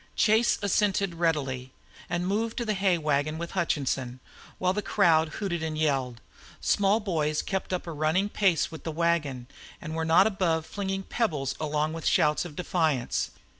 Chase assented readily, and moved to the hay wagon with Hutchinson, while the crowd hooted and yelled. Small boys kept up a running pace with the wagon, and were not above flinging pebbles along with shouts of defiance.